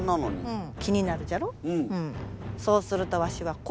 うん。